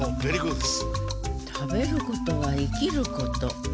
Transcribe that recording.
食べることは生きること。